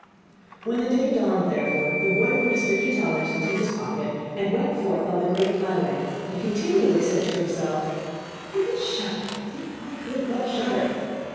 When the day dawned, therefore, the boy put his fifty talers into his pocket, and went forth on the great highway, and continually said to himself: 'If I could but shudder! If I could but shudder!